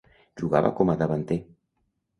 Jugava com a davanter.